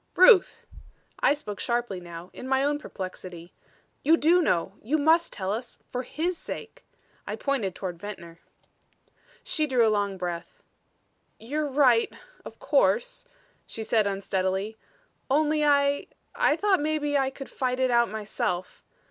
"Ruth!" I spoke sharply now, in my own perplexity. "You do know. You must tell us for his sake." I pointed toward Ventnor. She drew a long breath. "You're right of course," she said unsteadily. "Only I I thought maybe I could fight it out myself.